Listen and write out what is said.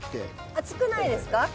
熱くないですか？